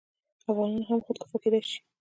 افغانان هم خودکفا کیدی شي.